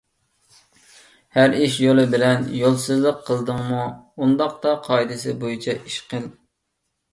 ھەر ئىش يولى بىلەن. يولسىزلىق قىلدىڭمۇ، ئۇنداقتا قائىدىسى بويىچە ئىش قىل.